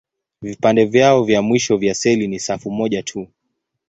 Vipande vyao vya mwisho vya seli ni safu moja tu.